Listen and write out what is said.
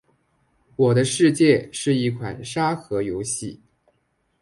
《我的世界》是一款沙盒游戏。